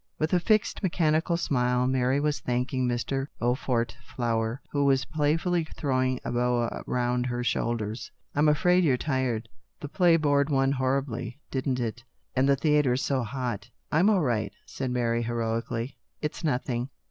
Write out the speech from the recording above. With a fixed, mechanical smile Mary was thanking Mr. Flower, who was playfully throwing a boa round her shoulders. " I'm afraid you're tired. The play bored one horribly, didn't it ? And the theatre's so hot "" I'm all right," said Mary, heroically. " It's nothing."